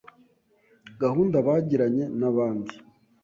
gahunda bagiranye n’abandi